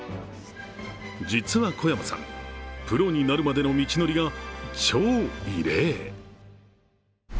実は小山さん、プロになるまでの道のりが超異例。